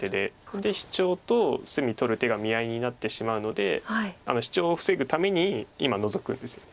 これでシチョウと隅取る手が見合いになってしまうのでシチョウを防ぐために今ノゾくんです。